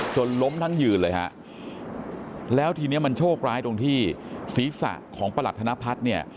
ล้มทั้งยืนเลยฮะแล้วทีนี้มันโชคร้ายตรงที่ศีรษะของประหลัดธนพัฒน์เนี่ย